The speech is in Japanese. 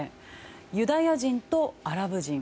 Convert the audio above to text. ユダヤ人とアラブ人。